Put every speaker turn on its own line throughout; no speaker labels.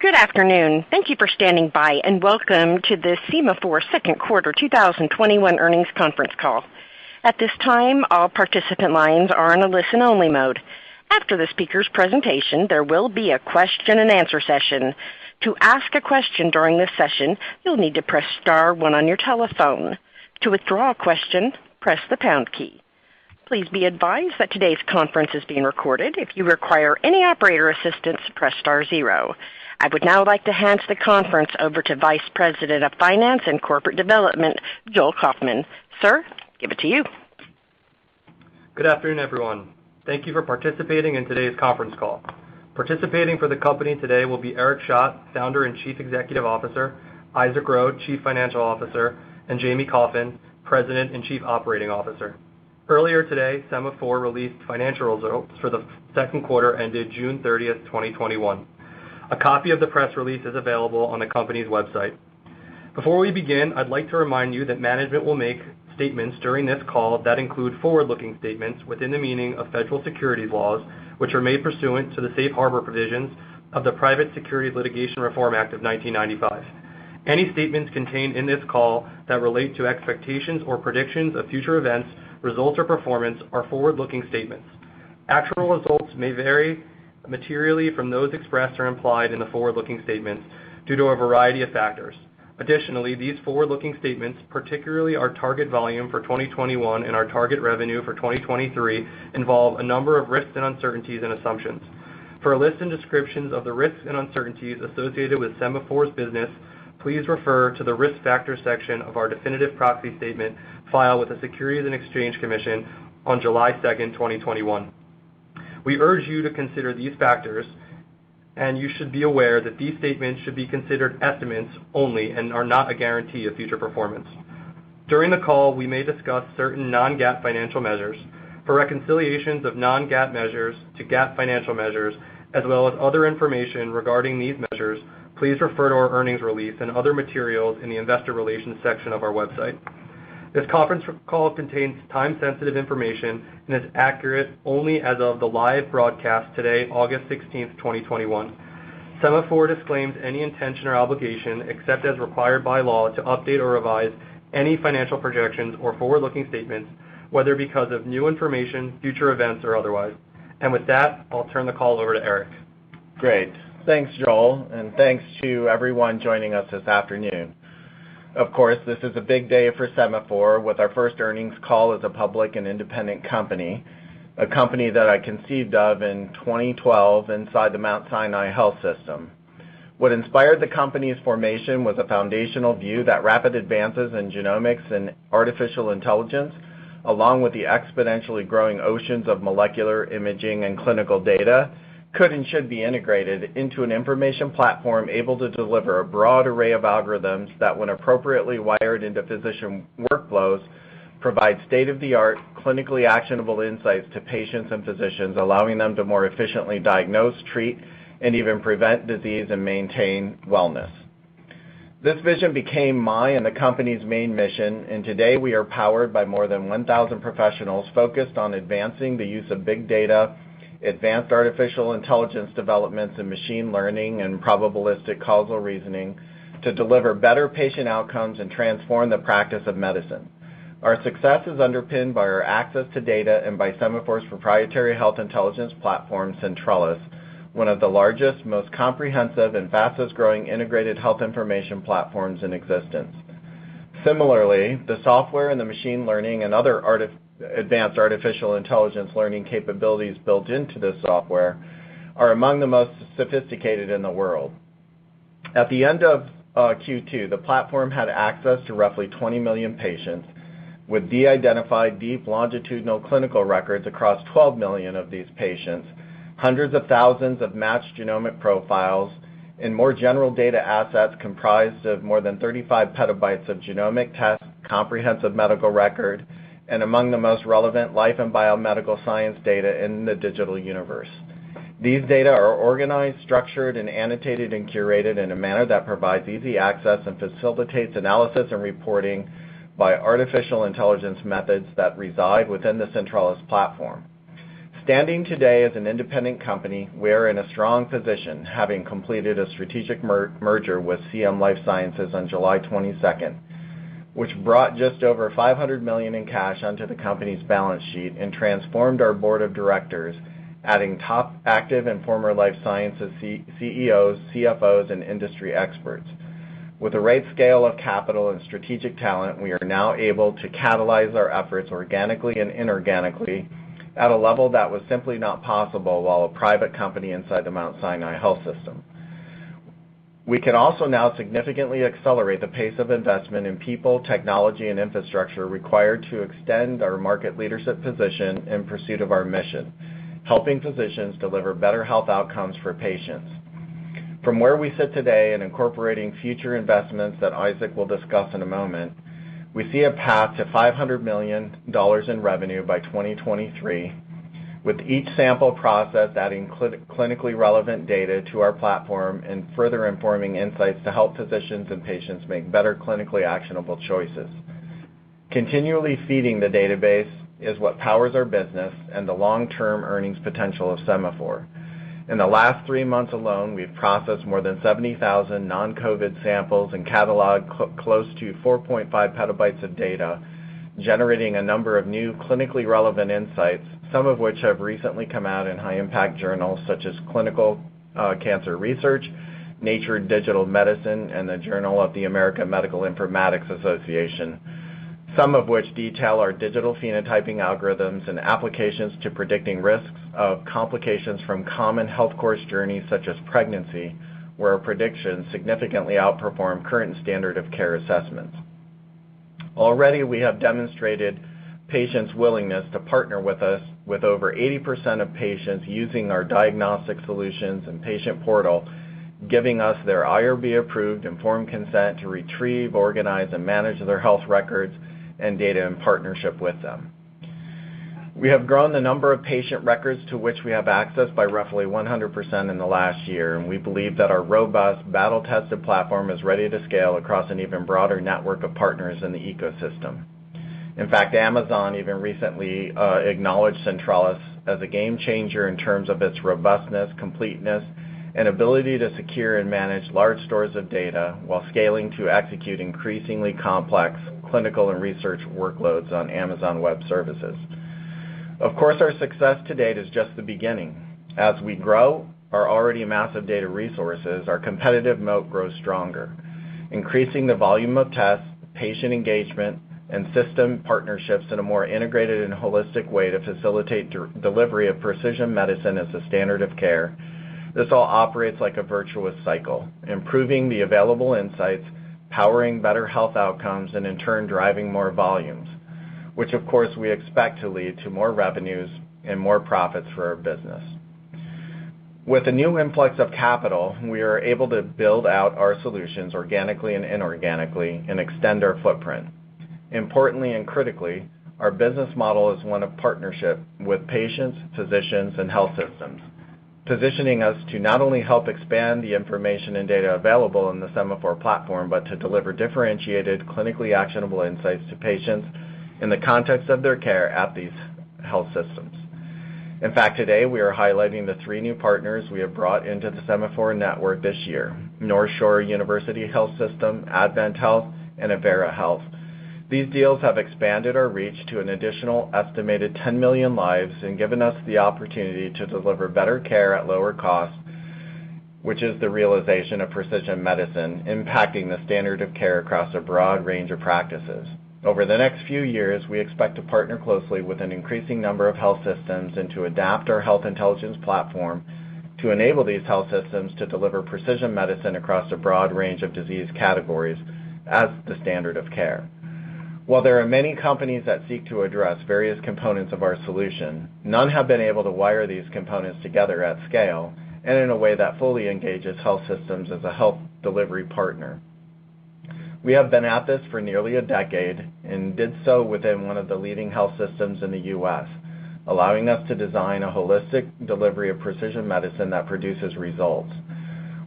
Good afternoon. Thank you for standing by, and welcome to the Sema4 Second Quarter 2021 Earnings Conference Call. I would now like to hand the conference over to Vice President of Finance and Corporate Development, Joel Kaufman. Sir, give it to you.
Good afternoon, everyone. Thank you for participating in today's conference call. Participating for the company today will be Eric Schadt, Founder and Chief Executive Officer, Isaac Ro, Chief Financial Officer, and Jamie Coffin, President and Chief Operating Officer. Earlier today, Sema4 released financial results for the second quarter ended June 30th, 2021. A copy of the press release is available on the company's website. Before we begin, I'd like to remind you that management will make statements during this call that include forward-looking statements within the meaning of federal securities laws, which are made pursuant to the safe harbor provisions of the Private Securities Litigation Reform Act of 1995. Any statements contained in this call that relate to expectations or predictions of future events, results, or performance are forward-looking statements. Actual results may vary materially from those expressed or implied in the forward-looking statements due to a variety of factors. Additionally, these forward-looking statements, particularly our target volume for 2021 and our target revenue for 2023, involve a number of risks and uncertainties and assumptions. For a list and descriptions of the risks and uncertainties associated with Sema4's business, please refer to the Risk Factors section of our definitive proxy statement filed with the Securities and Exchange Commission on July 2nd, 2021. We urge you to consider these factors, and you should be aware that these statements should be considered estimates only and are not a guarantee of future performance. During the call, we may discuss certain non-GAAP financial measures. For reconciliations of non-GAAP measures to GAAP financial measures, as well as other information regarding these measures, please refer to our earnings release and other materials in the investor relations section of our website. This conference call contains time-sensitive information and is accurate only as of the live broadcast today, August 16th, 2021. Sema4 disclaims any intention or obligation, except as required by law, to update or revise any financial projections or forward-looking statements, whether because of new information, future events, or otherwise. With that, I'll turn the call over to Eric.
Great. Thanks, Joel, and thanks to everyone joining us this afternoon. Of course, this is a big day for Sema4 with our first earnings call as a public and independent company, a company that I conceived of in 2012 inside the Mount Sinai Health System. What inspired the company's formation was a foundational view that rapid advances in genomics and artificial intelligence, along with the exponentially growing oceans of molecular imaging and clinical data, could and should be integrated into an information platform able to deliver a broad array of algorithms that, when appropriately wired into physician workflows, provide state-of-the-art, clinically actionable insights to patients and physicians, allowing them to more efficiently diagnose, treat, and even prevent disease and maintain wellness. This vision became mine and the company's main mission, and today we are powered by more than 1,000 professionals focused on advancing the use of big data, advanced artificial intelligence developments in machine learning and probabilistic causal reasoning to deliver better patient outcomes and transform the practice of medicine. Our success is underpinned by our access to data and by Sema4's proprietary health intelligence platform, Centrellis, one of the largest, most comprehensive, and fastest-growing integrated health information platforms in existence. Similarly, the software and the machine learning and other advanced artificial intelligence learning capabilities built into this software are among the most sophisticated in the world. At the end of Q2, the platform had access to roughly 20 million patients with de-identified, deep longitudinal clinical records across 12 million of these patients, hundreds of thousands of matched genomic profiles, and more general data assets comprised of more than 35 PB of genomic tests, comprehensive medical record, and among the most relevant life and biomedical science data in the digital universe. These data are organized, structured, and annotated and curated in a manner that provides easy access and facilitates analysis and reporting by artificial intelligence methods that reside within the Centrellis platform. Standing today as an independent company, we are in a strong position, having completed a strategic merger with CM Life Sciences on July 22nd, which brought just over $500 million in cash onto the company's balance sheet and transformed our board of directors, adding top active and former life sciences CEOs, CFOs, and industry experts. With the right scale of capital and strategic talent, we are now able to catalyze our efforts organically and inorganically at a level that was simply not possible while a private company inside the Mount Sinai Health System. We can also now significantly accelerate the pace of investment in people, technology, and infrastructure required to extend our market leadership position in pursuit of our mission: helping physicians deliver better health outcomes for patients. From where we sit today and incorporating future investments that Isaac will discuss in a moment, we see a path to $500 million in revenue by 2023, with each sample process adding clinically relevant data to our platform and further informing insights to help physicians and patients make better clinically actionable choices. Continually feeding the database is what powers our business and the long-term earnings potential of Sema4. In the last three months alone, we've processed more than 70,000 non-COVID samples and cataloged close to 4.5 PB of data, generating a number of new clinically relevant insights, some of which have recently come out in high impact journals such as "Clinical Cancer Research," "npj Digital Medicine," and the "Journal of the American Medical Informatics Association," some of which detail our digital phenotyping algorithms and applications to predicting risks of complications from common health course journeys such as pregnancy, where our predictions significantly outperform current standard of care assessments. Already, we have demonstrated patients' willingness to partner with us with over 80% of patients using our diagnostic solutions and patient portal, giving us their IRB approved informed consent to retrieve, organize, and manage their health records and data in partnership with them. We have grown the number of patient records to which we have access by roughly 100% in the last year, and we believe that our robust, battle-tested platform is ready to scale across an even broader network of partners in the ecosystem. In fact, Amazon even recently acknowledged Centrellis as a game changer in terms of its robustness, completeness, and ability to secure and manage large stores of data while scaling to execute increasingly complex clinical and research workloads on Amazon Web Services. Of course, our success to date is just the beginning. As we grow our already massive data resources, our competitive moat grows stronger, increasing the volume of tests, patient engagement, and system partnerships in a more integrated and holistic way to facilitate delivery of precision medicine as a standard of care. This all operates like a virtuous cycle, improving the available insights, powering better health outcomes, and in turn, driving more volumes, which of course, we expect to lead to more revenues and more profits for our business. With the new influx of capital, we are able to build out our solutions organically and inorganically and extend our footprint. Importantly and critically, our business model is one of partnership with patients, physicians, and health systems, positioning us to not only help expand the information and data available in the Sema4 platform, but to deliver differentiated, clinically actionable insights to patients in the context of their care at these health systems. In fact, today we are highlighting the three new partners we have brought into the Sema4 network this year, NorthShore University HealthSystem, AdventHealth, and Avera Health. These deals have expanded our reach to an additional estimated 10 million lives and given us the opportunity to deliver better care at lower cost, which is the realization of precision medicine impacting the standard of care across a broad range of practices. Over the next few years, we expect to partner closely with an increasing number of health systems and to adapt our health intelligence platform to enable these health systems to deliver precision medicine across a broad range of disease categories as the standard of care. While there are many companies that seek to address various components of our solution, none have been able to wire these components together at scale and in a way that fully engages health systems as a health delivery partner. We have been at this for nearly a decade and did so within one of the leading health systems in the U.S., allowing us to design a holistic delivery of precision medicine that produces results.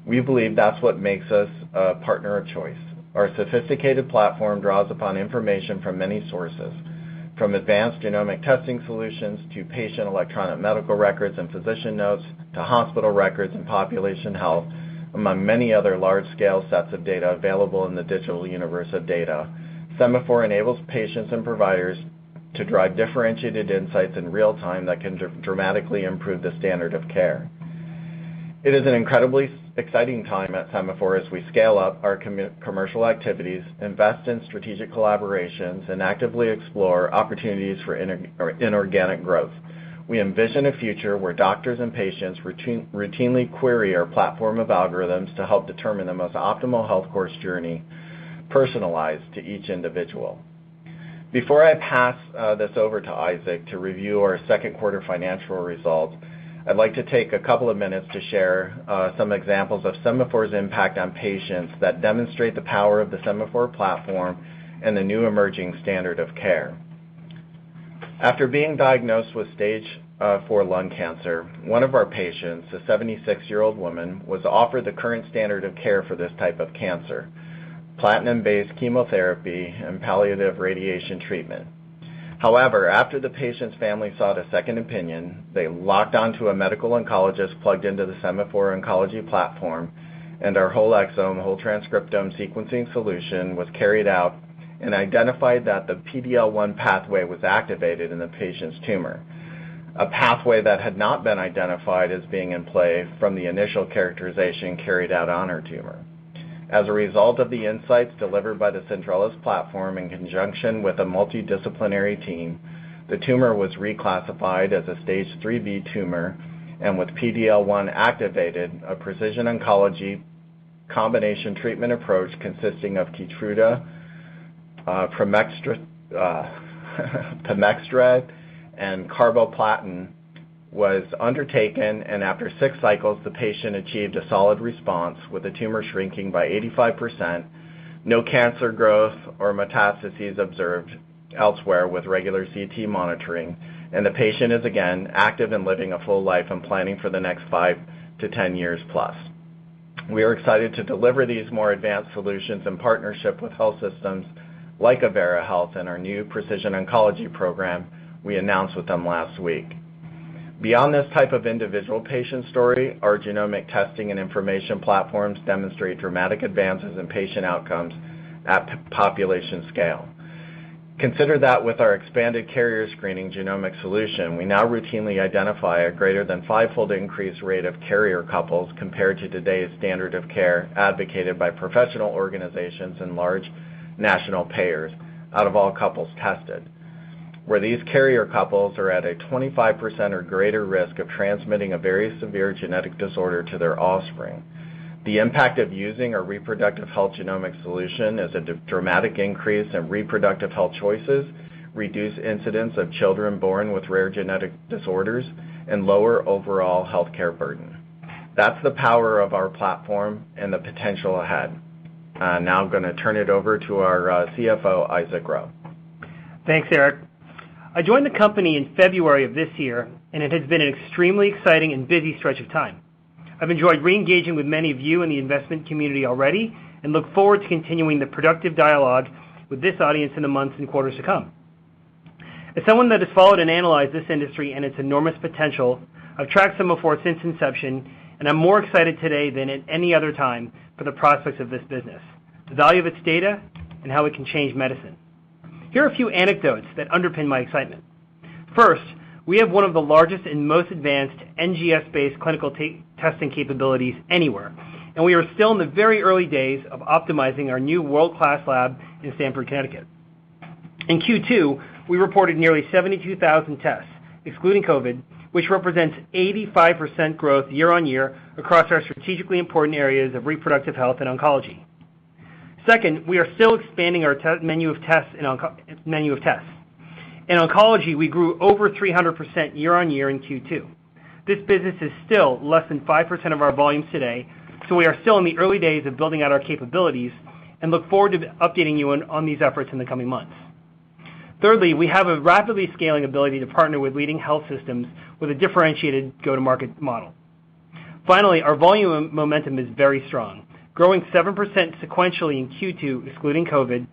We believe that's what makes us a partner of choice. Our sophisticated platform draws upon information from many sources, from advanced genomic testing solutions to patient electronic medical records and physician notes to hospital records and population health, among many other large-scale sets of data available in the digital universe of data. Sema4 enables patients and providers to drive differentiated insights in real time that can dramatically improve the standard of care. It is an incredibly exciting time at Sema4 as we scale up our commercial activities, invest in strategic collaborations, and actively explore opportunities for inorganic growth. We envision a future where doctors and patients routinely query our platform of algorithms to help determine the most optimal health course journey personalized to each individual. Before I pass this over to Isaac to review our second quarter financial results, I'd like to take a couple of minutes to share some examples of Sema4's impact on patients that demonstrate the power of the Sema4 platform and the new emerging standard of care. After being diagnosed with stage 4 lung cancer, one of our patients, a 76-year-old woman, was offered the current standard of care for this type of cancer, platinum-based chemotherapy and palliative radiation treatment. After the patient's family sought a second opinion, they locked onto a medical oncologist plugged into the Sema4 oncology platform, and our whole exome, whole transcriptome sequencing solution was carried out and identified that the PD-L1 pathway was activated in the patient's tumor, a pathway that had not been identified as being in play from the initial characterization carried out on her tumor. As a result of the insights delivered by the Centrellis platform in conjunction with a multidisciplinary team, the tumor was reclassified as a stage 3B tumor, and with PD-L1 activated, a precision oncology combination treatment approach consisting of Keytruda, pemetrexed, and carboplatin was undertaken, and after six cycles the patient achieved a solid response with the tumor shrinking by 85%, no cancer growth or metastases observed elsewhere with regular CT monitoring, and the patient is again active and living a full life and planning for the next 5-10+ years. We are excited to deliver these more advanced solutions in partnership with health systems like Avera Health and our new precision oncology program we announced with them last week. Beyond this type of individual patient story, our genomic testing and information platforms demonstrate dramatic advances in patient outcomes at population scale. Consider that with our expanded carrier screening genomic solution, we now routinely identify a greater than 5x increased rate of carrier couples, compared to today's standard of care advocated by professional organizations and large national payers, out of all couples tested, where these carrier couples are at a 25% or greater risk of transmitting a very severe genetic disorder to their offspring. The impact of using our reproductive health genomic solution is a dramatic increase in reproductive health choices, reduced incidence of children born with rare genetic disorders, and lower overall healthcare burden. That's the power of our platform and the potential ahead. I'm going to turn it over to our CFO, Isaac Ro.
Thanks, Eric. I joined the company in February of this year, and it has been an extremely exciting and busy stretch of time. I've enjoyed re-engaging with many of you in the investment community already and look forward to continuing the productive dialogue with this audience in the months and quarters to come. As someone that has followed and analyzed this industry and its enormous potential, I've tracked Sema4 since inception, and I'm more excited today than at any other time for the prospects of this business, the value of its data, and how it can change medicine. Here are a few anecdotes that underpin my excitement. First, we have one of the largest and most advanced NGS-based clinical testing capabilities anywhere, and we are still in the very early days of optimizing our new world-class lab in Stamford, Connecticut. In Q2, we reported nearly 72,000 tests, excluding COVID, which represents 85% growth year-over-year across our strategically important areas of reproductive health and oncology. Second, we are still expanding our menu of tests. In oncology, we grew over 300% year-over-year in Q2. This business is still less than 5% of our volumes today, so we are still in the early days of building out our capabilities and look forward to updating you on these efforts in the coming months. Thirdly, we have a rapidly scaling ability to partner with leading health systems with a differentiated go-to-market model. Finally, our volume momentum is very strong, growing 7% sequentially in Q2, excluding COVID.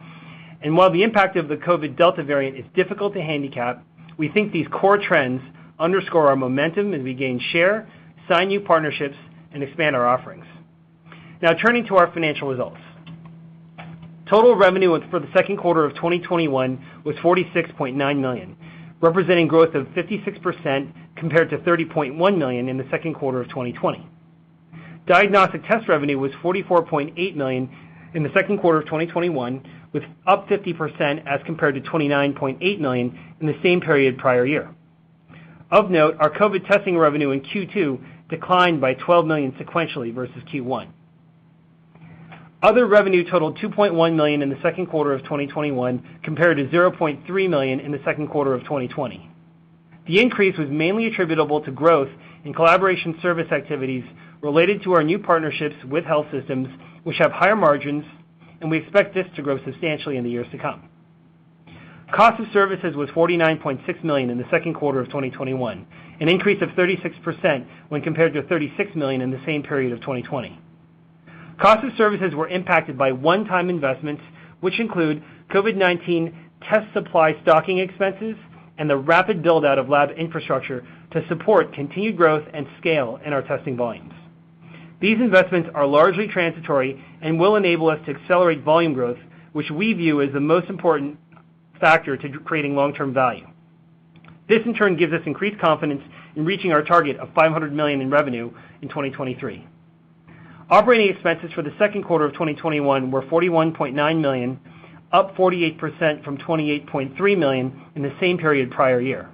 While the impact of the COVID Delta variant is difficult to handicap, we think these core trends underscore our momentum as we gain share, sign new partnerships, and expand our offerings. Now turning to our financial results. Total revenue for the second quarter of 2021 was $46.9 million, representing growth of 56% compared to $30.1 million in the second quarter of 2020. Diagnostic test revenue was $44.8 million in the second quarter of 2021, with up 50% as compared to $29.8 million in the same period prior year. Of note, our COVID testing revenue in Q2 declined by $12 million sequentially versus Q1. Other revenue totaled $2.1 million in the second quarter of 2021, compared to $0.3 million in the second quarter of 2020. The increase was mainly attributable to growth in collaboration service activities related to our new partnerships with health systems, which have higher margins, and we expect this to grow substantially in the years to come. Cost of services was $49.6 million in the second quarter of 2021, an increase of 36% when compared to $36 million in the same period of 2020. Cost of services were impacted by one-time investments, which include COVID-19 test supply stocking expenses and the rapid build-out of lab infrastructure to support continued growth and scale in our testing volumes. These investments are largely transitory and will enable us to accelerate volume growth, which we view as the most important factor to creating long-term value. This, in turn, gives us increased confidence in reaching our target of $500 million in revenue in 2023. Operating expenses for the second quarter of 2021 were $41.9 million, up 48% from $28.3 million in the same period prior year.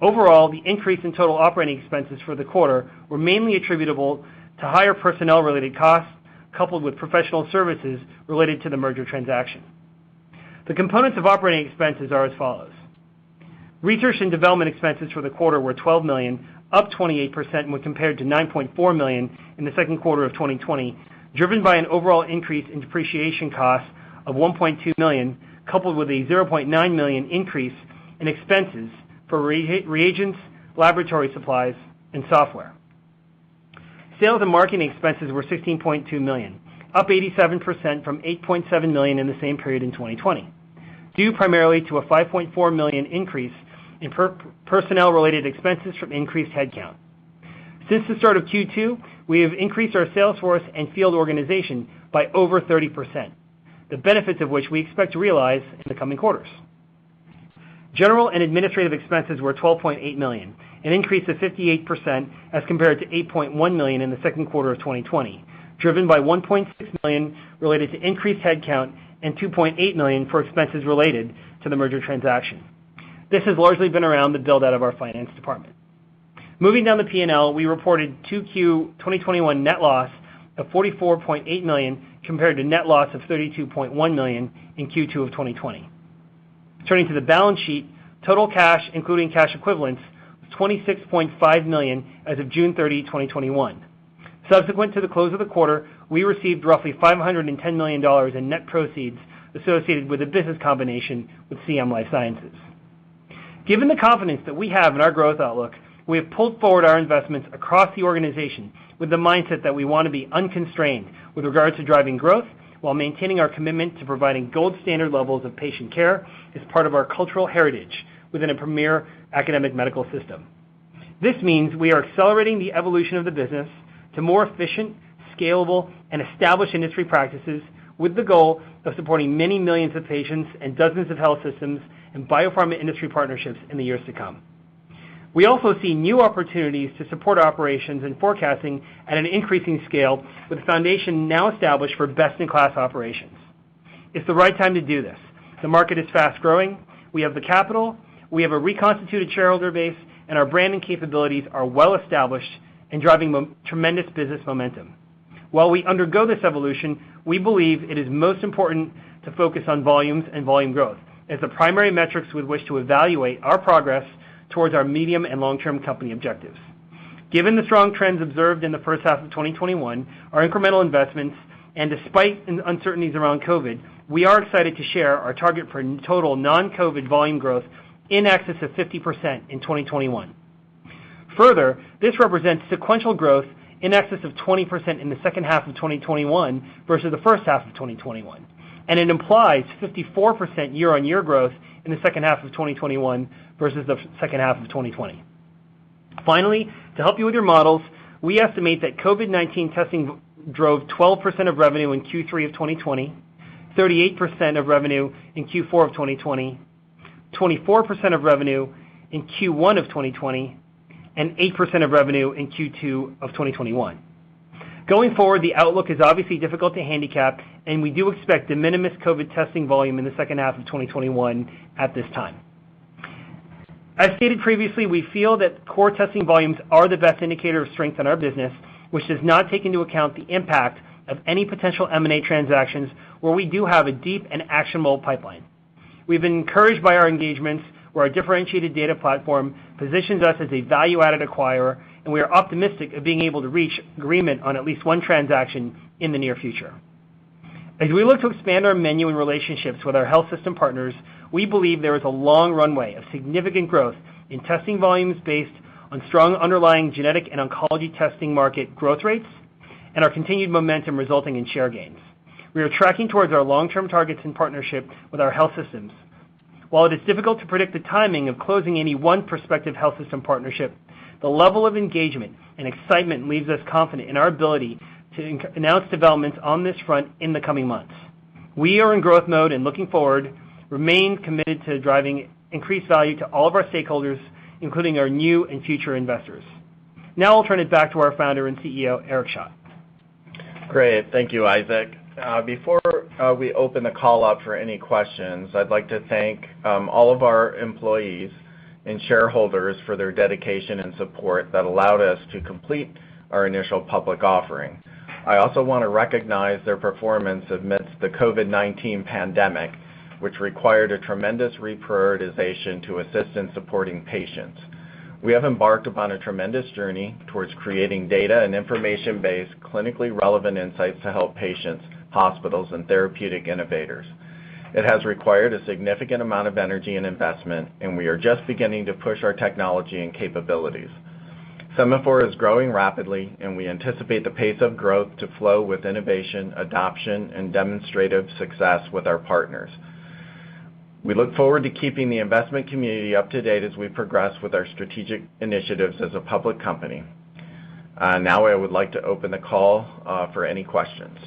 Overall, the increase in total operating expenses for the quarter were mainly attributable to higher personnel-related costs, coupled with professional services related to the merger transaction. The components of operating expenses are as follows. Research and development expenses for the quarter were $12 million, up 28% when compared to $9.4 million in the second quarter of 2020, driven by an overall increase in depreciation costs of $1.2 million, coupled with a $0.9 million increase in expenses for reagents, laboratory supplies, and software. Sales and marketing expenses were $16.2 million, up 87% from $8.7 million in the same period in 2020, due primarily to a $5.4 million increase in personnel-related expenses from increased headcount. Since the start of Q2, we have increased our sales force and field organization by over 30%, the benefits of which we expect to realize in the coming quarters. General and administrative expenses were $12.8 million, an increase of 58% as compared to $8.1 million in the second quarter of 2020, driven by $1.6 million related to increased headcount and $2.8 million for expenses related to the merger transaction. This has largely been around the build-out of our finance department. Moving down the P&L, we reported 2Q 2021 net loss of $44.8 million, compared to net loss of $32.1 million in Q2 of 2020. Turning to the balance sheet, total cash, including cash equivalents, was $26.5 million as of June 30, 2021. Subsequent to the close of the quarter, we received roughly $510 million in net proceeds associated with the business combination with CM Life Sciences. Given the confidence that we have in our growth outlook, we have pulled forward our investments across the organization with the mindset that we want to be unconstrained with regards to driving growth while maintaining our commitment to providing gold standard levels of patient care as part of our cultural heritage within a premier academic medical system. This means we are accelerating the evolution of the business to more efficient, scalable, and established industry practices with the goal of supporting many millions of patients and dozens of health systems and biopharma industry partnerships in the years to come. We also see new opportunities to support operations and forecasting at an increasing scale with the foundation now established for best-in-class operations. It's the right time to do this. The market is fast-growing. We have the capital. We have a reconstituted shareholder base. Our brand and capabilities are well-established in driving tremendous business momentum. While we undergo this evolution, we believe it is most important to focus on volumes and volume growth as the primary metrics with which to evaluate our progress towards our medium and long-term company objectives. Given the strong trends observed in the first half of 2021, our incremental investments, and despite uncertainties around COVID, we are excited to share our target for total non-COVID volume growth in excess of 50% in 2021. This represents sequential growth in excess of 20% in the second half of 2021 versus the first half of 2021. It implies 54% year-on-year growth in the second half of 2021 versus the second half of 2020. Finally, to help you with your models, we estimate that COVID-19 testing drove 12% of revenue in Q3 of 2020, 38% of revenue in Q4 of 2020, 24% of revenue in Q1 of 2020, and 8% of revenue in Q2 of 2021. Going forward, the outlook is obviously difficult to handicap, and we do expect de minimis COVID testing volume in the second half of 2021 at this time. As stated previously, we feel that core testing volumes are the best indicator of strength in our business, which does not take into account the impact of any potential M&A transactions where we do have a deep and actionable pipeline. We've been encouraged by our engagements where our differentiated data platform positions us as a value-added acquirer, and we are optimistic of being able to reach agreement on at least one transaction in the near future. As we look to expand our menu and relationships with our health system partners, we believe there is a long runway of significant growth in testing volumes based on strong underlying genetic and oncology testing market growth rates and our continued momentum resulting in share gains. We are tracking towards our long-term targets in partnership with our health systems. While it is difficult to predict the timing of closing any one prospective health system partnership, the level of engagement and excitement leaves us confident in our ability to announce developments on this front in the coming months. We are in growth mode and, looking forward, remain committed to driving increased value to all of our stakeholders, including our new and future investors. Now I'll turn it back to our founder and CEO, Eric Schadt.
Great. Thank you, Isaac. Before we open the call up for any questions, I'd like to thank all of our employees and shareholders for their dedication and support that allowed us to complete our initial public offering. I also want to recognize their performance amidst the COVID-19 pandemic, which required a tremendous reprioritization to assist in supporting patients. We have embarked upon a tremendous journey towards creating data and information-based, clinically relevant insights to help patients, hospitals, and therapeutic innovators. It has required a significant amount of energy and investment, and we are just beginning to push our technology and capabilities. Sema4 is growing rapidly, and we anticipate the pace of growth to flow with innovation, adoption, and demonstrative success with our partners. We look forward to keeping the investment community up to date as we progress with our strategic initiatives as a public company. Now I would like to open the call for any questions.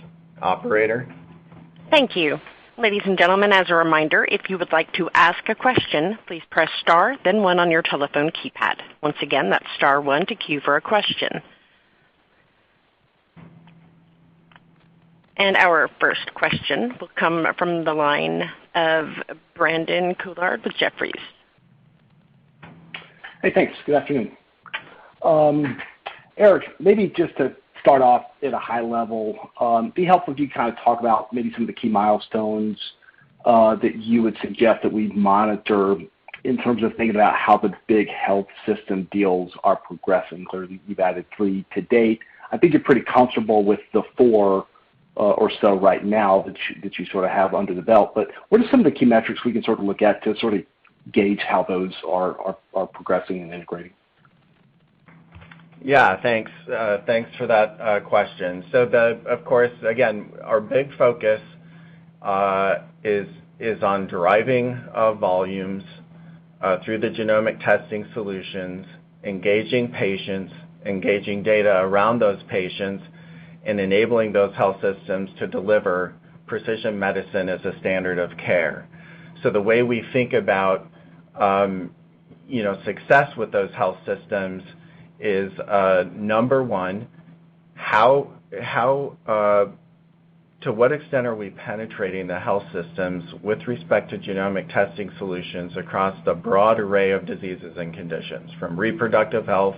Operator?
Thank you. Ladies and gentlemen, as a reminder, if you would like to ask a question, please press star then one on your telephone keypad. Once again, that's star one to queue for a question. Our first question will come from the line of Brandon Couillard with Jefferies.
Hey, thanks. Good afternoon. Eric, maybe just to start off at a high level, it'd be helpful if you talk about maybe some of the key milestones, that you would suggest that we monitor in terms of thinking about how the big health system deals are progressing. Clearly, you've added three to date. I think you're pretty comfortable with the four or so right now that you sort of have under the belt, but what are some of the key metrics we can sort of look at to sort of gauge how those are progressing and integrating?
Yeah. Thanks. Thanks for that question. The, of course, again, our big focus is on deriving volumes, through the genomic testing solutions, engaging patients, engaging data around those patients, and enabling those health systems to deliver precision medicine as a standard of care. The way we think about success with those health systems is, number one, to what extent are we penetrating the health systems with respect to genomic testing solutions across the broad array of diseases and conditions, from reproductive health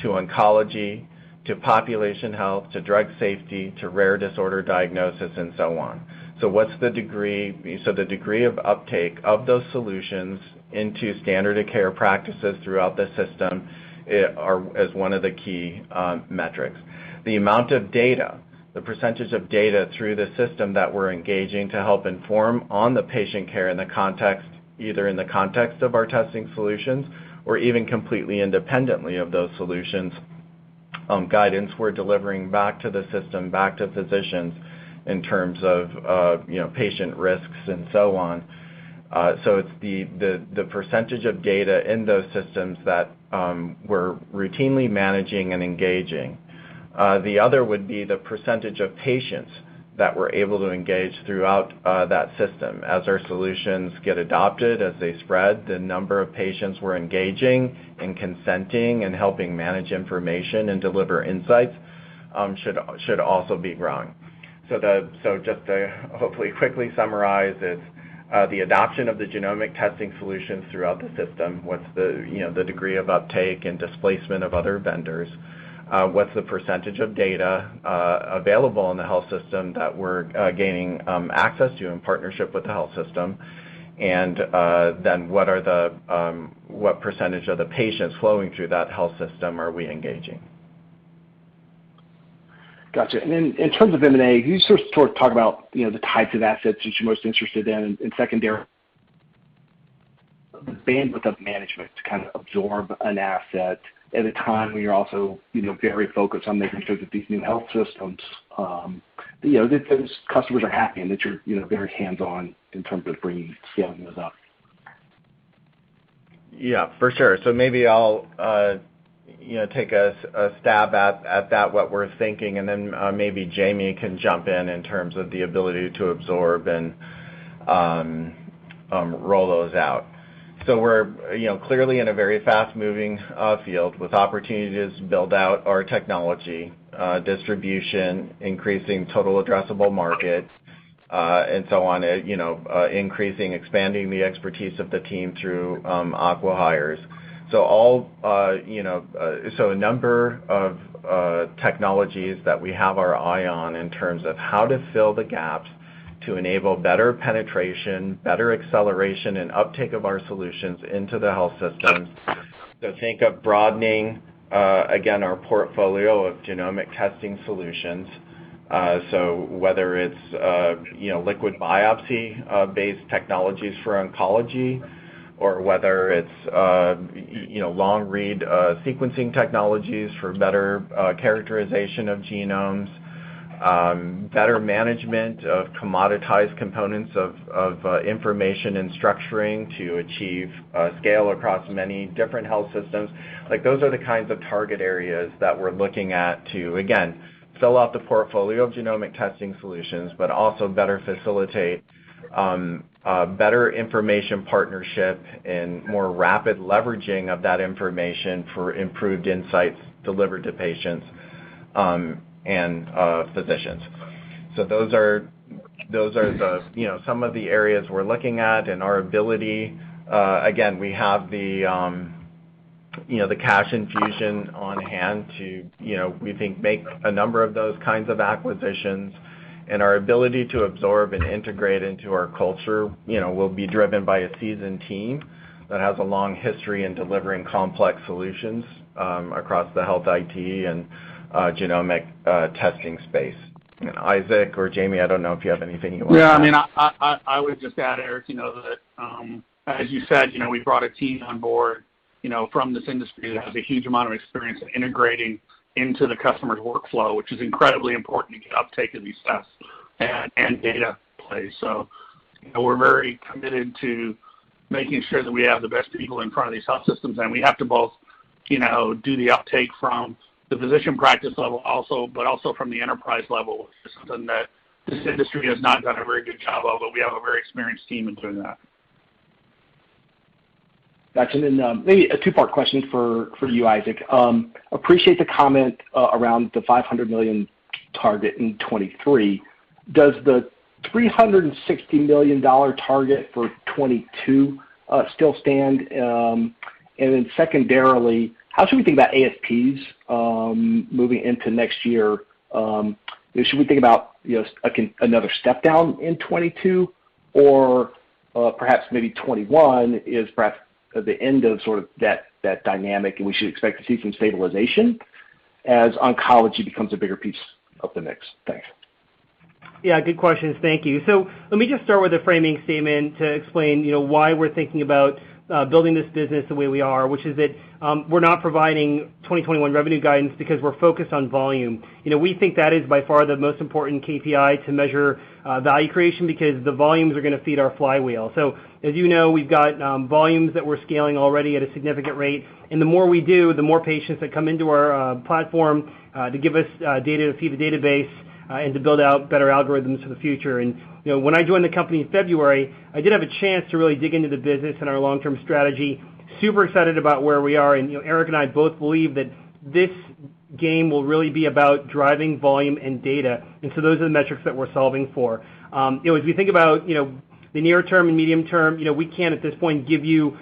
to oncology to population health to drug safety to rare disorder diagnosis and so on. The degree of uptake of those solutions into standard of care practices throughout the system is one of the key metrics. The amount of data, the percentage of data through the system that we're engaging to help inform on the patient care either in the context of our testing solutions or even completely independently of those solutions, guidance we're delivering back to the system, back to physicians in terms of patient risks and so on. It's the percentage of data in those systems that we're routinely managing and engaging. The other would be the percentage of patients that we're able to engage throughout that system. As our solutions get adopted, as they spread, the number of patients we're engaging and consenting and helping manage information and deliver insights should also be growing. Just to hopefully quickly summarize is the adoption of the genomic testing solutions throughout the system. What's the degree of uptake and displacement of other vendors? What's the percentage of data available in the health system that we're gaining access to in partnership with the health system? What percentage of the patients flowing through that health system are we engaging?
Got you. In terms of M&A, can you sort of talk about the types of assets that you're most interested in? Secondarily, the bandwidth of management to kind of absorb an asset at a time when you're also very focused on making sure that these new health systems, those customers are happy and that you're very hands-on in terms of bringing, scaling those up.
Yeah, for sure. Maybe I'll take a stab at that, what we're thinking, and then maybe Jamie can jump in in terms of the ability to absorb and roll those out. We're clearly in a very fast-moving field with opportunities to build out our technology, distribution, increasing total addressable markets, and so on. Expanding the expertise of the team through acqui-hires. A number of technologies that we have our eye on in terms of how to fill the gaps to enable better penetration, better acceleration, and uptake of our solutions into the health systems. Think of broadening, again, our portfolio of genomic testing solutions. Whether it's liquid biopsy-based technologies for oncology or whether it's long-read sequencing technologies for better characterization of genomes, better management of commoditized components of information and structuring to achieve scale across many different health systems. Those are the kinds of target areas that we're looking at to, again, fill out the portfolio of genomic testing solutions, but also better facilitate better information partnership and more rapid leveraging of that information for improved insights delivered to patients and physicians. Those are some of the areas we're looking at, and our ability, again, we have the cash infusion on hand to, we think, make a number of those kinds of acquisitions, and our ability to absorb and integrate into our culture will be driven by a seasoned team that has a long history in delivering complex solutions across the health IT and genomic testing space. Isaac or Jamie, I don't know if you have anything you want to add.
Yeah, I would just add, Eric, that as you said, we brought a team on board from this industry that has a huge amount of experience in integrating into the customer's workflow, which is incredibly important to get uptake of these tests and data plays. We're very committed to making sure that we have the best people in front of these health systems, and we have to both do the uptake from the physician practice level also, but also from the enterprise level, which is something that this industry has not done a very good job of, but we have a very experienced team in doing that.
Got you. Maybe a two-part question for you, Isaac. Appreciate the comment around the $500 million target in 2023. Does the $360 million target for 2022 still stand? Secondarily, how should we think about ASPs moving into next year? Should we think about another step down in 2022 or perhaps maybe 2021 is perhaps the end of sort of that dynamic and we should expect to see some stabilization as oncology becomes a bigger piece of the mix? Thanks.
Yeah, good questions. Thank you. Let me just start with a framing statement to explain why we're thinking about building this business the way we are, which is that we're not providing 2021 revenue guidance because we're focused on volume. We think that is by far the most important KPI to measure value creation because the volumes are going to feed our flywheel. As you know, we've got volumes that we're scaling already at a significant rate, and the more we do, the more patients that come into our platform to give us data to feed the database and to build out better algorithms for the future. When I joined the company in February, I did have a chance to really dig into the business and our long-term strategy. Super excited about where we are, and Eric and I both believe that this game will really be about driving volume and data. So those are the metrics that we're solving for. As we think about the near term and medium term, we can't, at this point, give you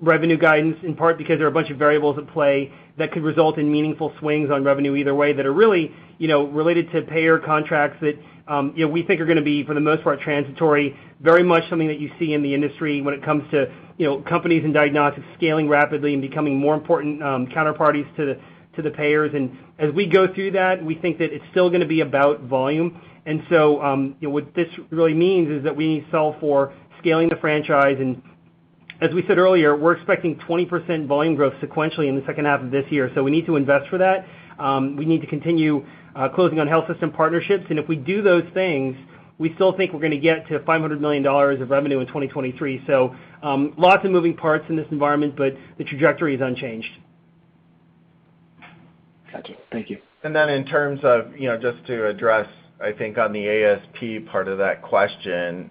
revenue guidance, in part because there are a bunch of variables at play that could result in meaningful swings on revenue either way that are really related to payer contracts that we think are going to be, for the most part, transitory, very much something that you see in the industry when it comes to companies and diagnostics scaling rapidly and becoming more important counterparties to the payers. As we go through that, we think that it's still going to be about volume, what this really means is that we need to solve for scaling the franchise. As we said earlier, we're expecting 20% volume growth sequentially in the second half of this year, we need to invest for that. We need to continue closing on health system partnerships. If we do those things, we still think we're going to get to $500 million of revenue in 2023. Lots of moving parts in this environment, but the trajectory is unchanged.
Got you. Thank you.
In terms of, just to address, I think on the ASP part of that question,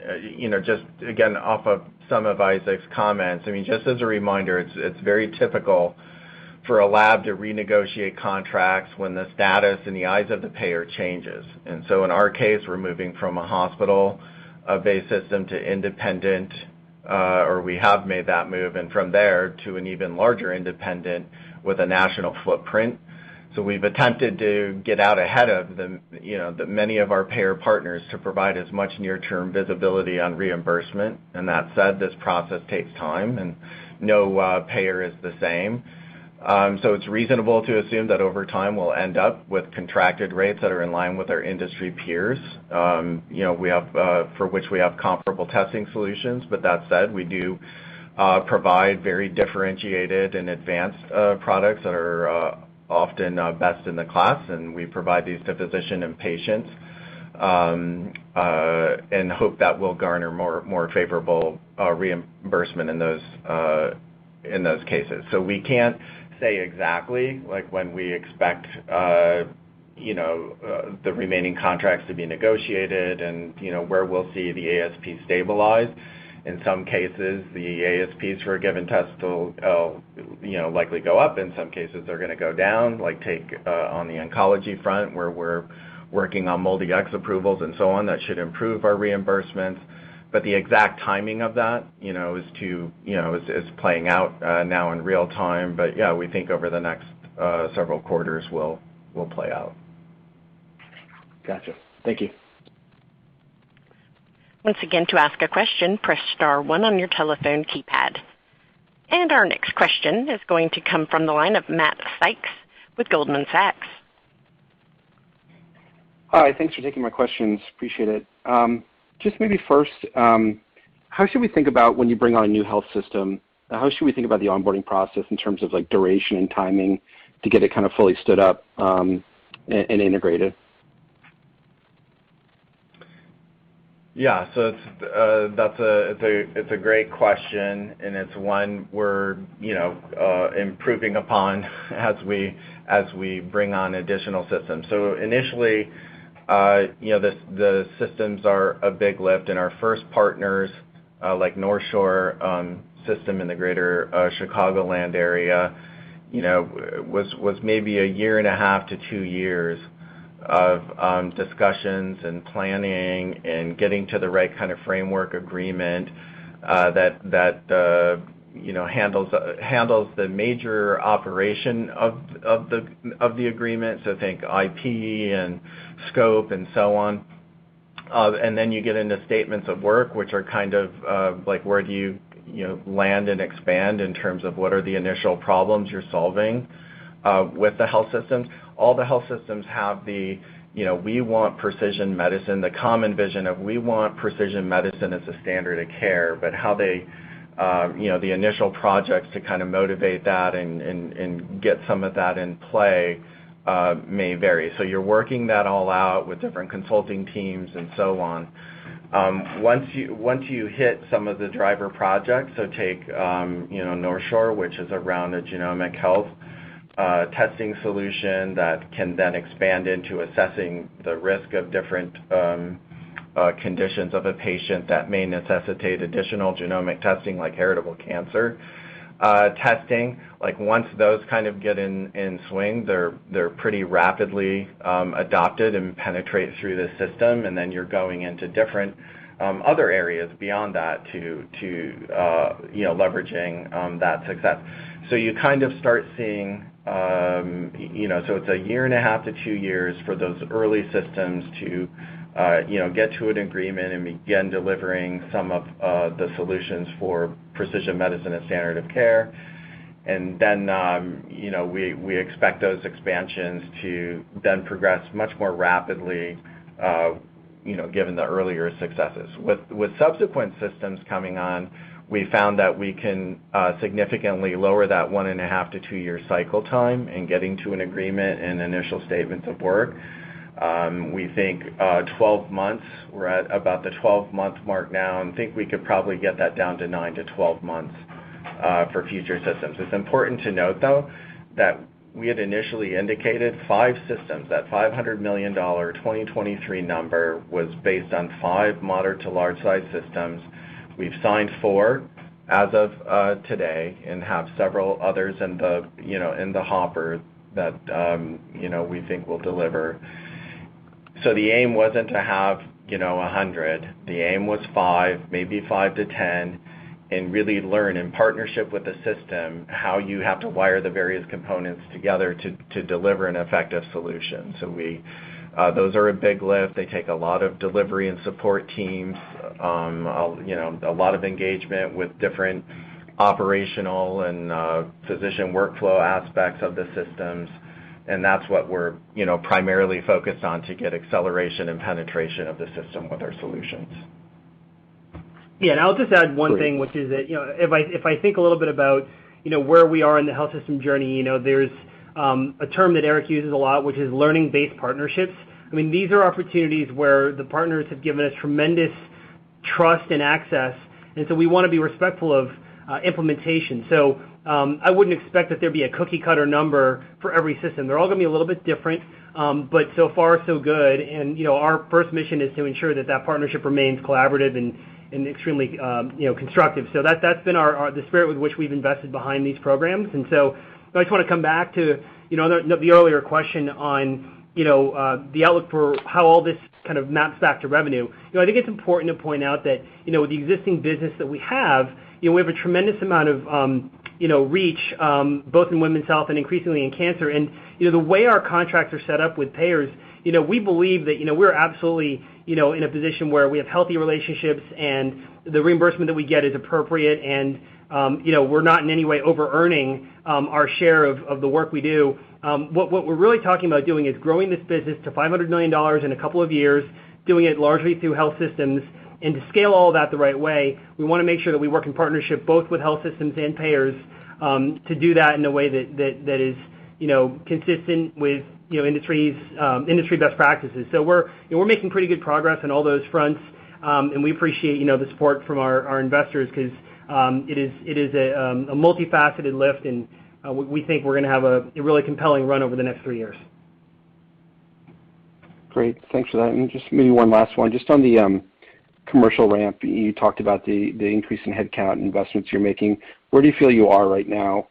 just again, off of some of Isaac's comments, just as a reminder, it's very typical for a lab to renegotiate contracts when the status in the eyes of the payer changes. In our case, we're moving from a hospital-based system to independent, or we have made that move, and from there to an even larger independent with a national footprint. We've attempted to get out ahead of the many of our payer partners to provide as much near-term visibility on reimbursement. That said, this process takes time, and no payer is the same. It's reasonable to assume that over time, we'll end up with contracted rates that are in line with our industry peers, for which we have comparable testing solutions. That said, we do provide very differentiated and advanced products that are often best in the class, and we provide these to physician and patients, and hope that will garner more favorable reimbursement in those cases. We can't say exactly when we expect the remaining contracts to be negotiated and where we'll see the ASP stabilize. In some cases, the ASPs for a given test will likely go up. In some cases, they're going to go down, like take on the oncology front where we're working on MolDx approvals and so on, that should improve our reimbursements. The exact timing of that is playing out now in real time. Yeah, we think over the next several quarters will play out.
Got you. Thank you.
Our next question is going to come from the line of Matt Sykes with Goldman Sachs.
Hi, thanks for taking my questions. Appreciate it. Just maybe first, how should we think about when you bring on a new health system, how should we think about the onboarding process in terms of duration and timing to get it kind of fully stood up and integrated?
It's a great question, and it's one we're improving upon as we bring on additional systems. Initially, the systems are a big lift and our first partners, like NorthShore system in the greater Chicagoland area, was maybe 1.5-2 years of discussions and planning and getting to the right kind of framework agreement that handles the major operation of the agreement. Think IP and scope and so on. Then you get into statements of work, which are kind of like, where do you land and expand in terms of what are the initial problems you're solving with the health systems. All the health systems have the, we want precision medicine, the common vision of we want precision medicine as a standard of care, but the initial projects to kind of motivate that and get some of that in play may vary. You're working that all out with different consulting teams and so on. Once you hit some of the driver projects, so take NorthShore, which is around a genomic health testing solution that can then expand into assessing the risk of different conditions of a patient that may necessitate additional genomic testing, like heritable cancer testing. Once those kind of get in swing, they're pretty rapidly adopted and penetrate through the system, and then you're going into different other areas beyond that to leveraging that success. It's 1.5-2 years for those early systems to get to an agreement and begin delivering some of the solutions for precision medicine and standard of care. Then we expect those expansions to then progress much more rapidly given the earlier successes. With subsequent systems coming on, we found that we can significantly lower that 1.5-2-year cycle time in getting to an agreement and initial statements of work. We think 12 months, we're at about the 12-month mark now, and think we could probably get that down to 9-12 months for future systems. It's important to note, though, that we had initially indicated five systems. That $500 million 2023 number was based on five moderate to large-size systems. We've signed four as of today and have several others in the hopper that we think will deliver. The aim wasn't to have 100. The aim was five, maybe 5-10, and really learn in partnership with the system how you have to wire the various components together to deliver an effective solution. Those are a big lift. They take a lot of delivery and support teams, a lot of engagement with different operational and physician workflow aspects of the systems, and that's what we're primarily focused on to get acceleration and penetration of the system with our solutions.
Yeah, I'll just add one thing, which is that if I think a little bit about where we are in the health system journey, there's a term that Eric Schadt uses a lot, which is learning-based partnerships. These are opportunities where the partners have given us tremendous trust and access, we want to be respectful of implementation. I wouldn't expect that there'd be a cookie cutter number for every system. They're all going to be a little bit different, so far so good. Our first mission is to ensure that that partnership remains collaborative and extremely constructive. That's been the spirit with which we've invested behind these programs. I just want to come back to the earlier question on the outlook for how all this kind of maps back to revenue. I think it's important to point out that with the existing business that we have, we have a tremendous amount of reach, both in women's health and increasingly in cancer. The way our contracts are set up with payers, we believe that we're absolutely in a position where we have healthy relationships and the reimbursement that we get is appropriate and we're not in any way overearning our share of the work we do. What we're really talking about doing is growing this business to $500 million in two years, doing it largely through health systems. To scale all of that the right way, we want to make sure that we work in partnership both with health systems and payers, to do that in a way that is consistent with industry best practices. We're making pretty good progress on all those fronts, and we appreciate the support from our investors because it is a multifaceted lift, and we think we're going to have a really compelling run over the next three years.
Great. Thanks for that. Just maybe one last one, just on the commercial ramp, you talked about the increase in headcount investments you're making. Where do you feel you are right now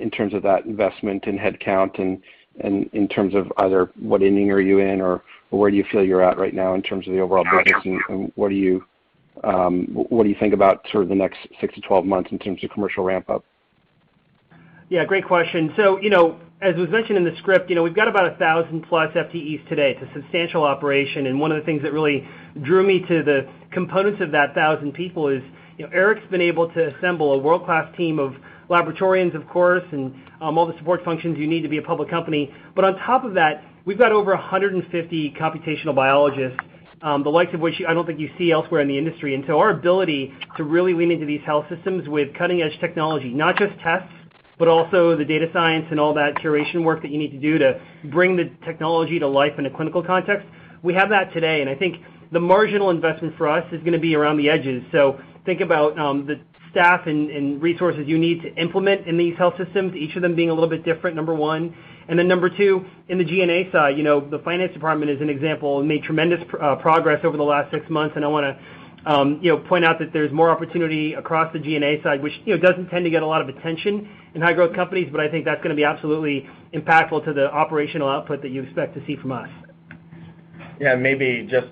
in terms of that investment and headcount and in terms of either what inning are you in or where do you feel you're at right now in terms of the overall progress? What do you think about sort of the next 6-12 months in terms of commercial ramp-up?
Yeah, great question. As was mentioned in the script, we've got about 1,000+ FTEs today. It's a substantial operation, and one of the things that really drew me to the components of that 1,000 people is Eric's been able to assemble a world-class team of laboratorians, of course, and all the support functions you need to be a public company. On top of that, we've got over 150 computational biologists the likes of which I don't think you see elsewhere in the industry. Our ability to really lean into these health systems with cutting-edge technology, not just tests, but also the data science and all that curation work that you need to do to bring the technology to life in a clinical context, we have that today, and I think the marginal investment for us is going to be around the edges. Think about the staff and resources you need to implement in these health systems, each of them being a little bit different, number one. Number two, in the G&A side, the finance department as an example, made tremendous progress over the last six months, and I want to point out that there's more opportunity across the G&A side, which doesn't tend to get a lot of attention in high growth companies, but I think that's going to be absolutely impactful to the operational output that you expect to see from us.
Maybe just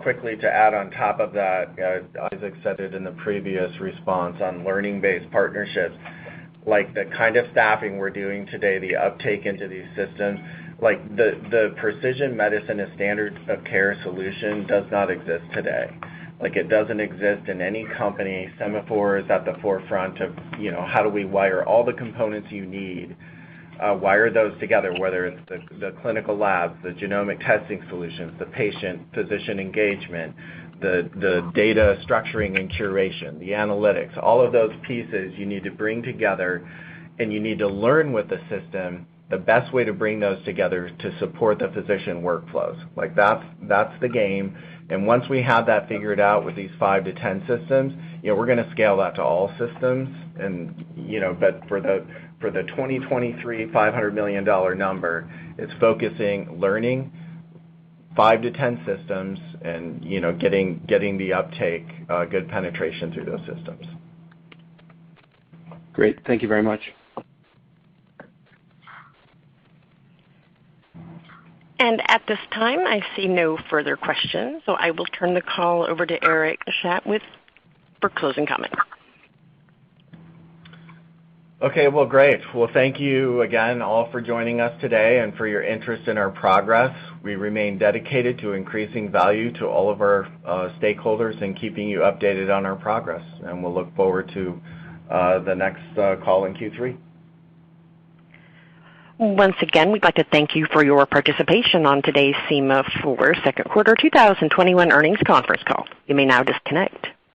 quickly to add on top of that, as Isaac said it in the previous response on learning-based partnerships, the kind of staffing we're doing today, the uptake into these systems, the precision medicine as standards of care solution does not exist today. It doesn't exist in any company. Sema4 is at the forefront of how do we wire all the components you need, wire those together, whether it's the clinical labs, the genomic testing solutions, the patient physician engagement, the data structuring and curation, the analytics, all of those pieces you need to bring together, and you need to learn with the system the best way to bring those together to support the physician workflows. That's the game. Once we have that figured out with these five to 10 systems, we're going to scale that to all systems. For the 2023 $500 million number, it's focusing, learning 5-10 systems and getting the uptake, good penetration through those systems.
Great. Thank you very much.
At this time, I see no further questions, I will turn the call over to Eric Schadt for closing comments.
Okay. Well, great. Thank you again all for joining us today and for your interest in our progress. We remain dedicated to increasing value to all of our stakeholders and keeping you updated on our progress, and we'll look forward to the next call in Q3.
Once again, we'd like to thank you for your participation on today's Sema4 Second Quarter 2021 Earnings Conference Call. You may now disconnect.